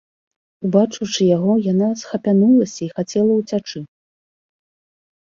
Убачыўшы яго, яна схапянулася і хацела ўцячы.